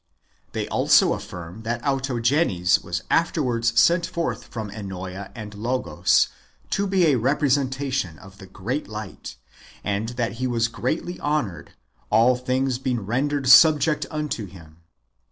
They also affirm that Autogenes was afterwards sent forth from Ennoea and Logos, to be a representation of the great light, and that he was greatly honoured, all things being rendered subject unto him.